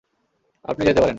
আপনি যেতে পারেন।